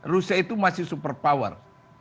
rusia itu masih super power